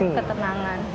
kita butuh ketenangan